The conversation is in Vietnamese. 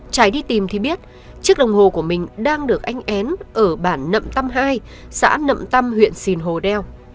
trải đi tìm thì biết chiếc đồng hồ của mình đang được anh én ở bản nậm tâm hai xã nậm tâm huyện sìn hồ đeo